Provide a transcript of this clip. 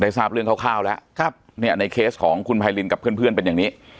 ทราบเรื่องคร่าวแล้วในเคสของคุณไพรินกับเพื่อนเป็นอย่างนี้